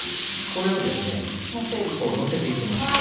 これをですねこうのせていきます。